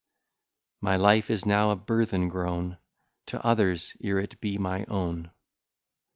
My life is now a burthen grown To others, ere it be my own.